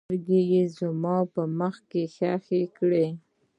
سترګې یې زما په مخ کې ښخې کړې.